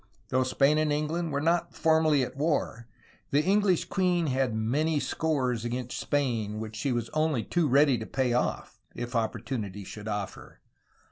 Though Spain and England were not formally at war, the EngUsh queen had many scores against Spain which she was only too ready to pay off, if opportunity should offer.